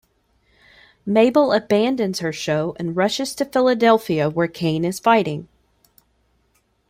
Mabel abandons her show and rushes to Philadelphia where Cain is fighting.